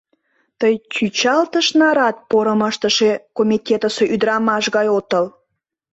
— Тый чӱчалтыш нарат порым ыштыше комитетысе ӱдырамаш гай отыл!